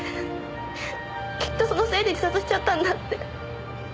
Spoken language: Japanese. きっとそのせいで自殺しちゃったんだって。